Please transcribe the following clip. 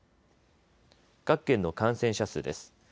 各県の感染者数です。